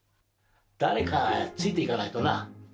誰かついて行かないとな。